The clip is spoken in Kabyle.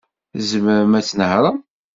Tzemrem ad tnehṛem?